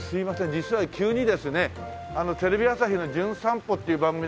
実は急にですねテレビ朝日の『じゅん散歩』っていう番組で来た